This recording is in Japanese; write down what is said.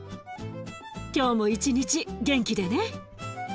今日も一日元気でね。